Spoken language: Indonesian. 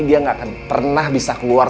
dia gak akan pernah bisa keluar